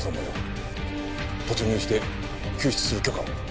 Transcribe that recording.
突入して救出する許可を。